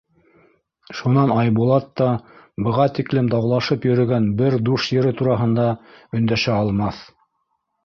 Шунан Айбулат та быға тиклем даулашып йөрөгән бер душ ере тураһында өндәшә алмаҫ.